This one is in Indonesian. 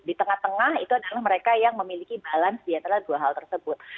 di tengah tengah itu adalah mereka yang memiliki balance di antara dua hal tersebut